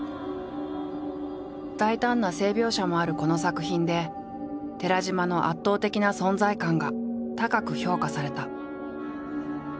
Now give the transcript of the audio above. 大胆な性描写もあるこの作品で寺島の圧倒的な存在感が高く評価された。